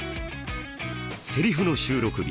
セリフの収録日。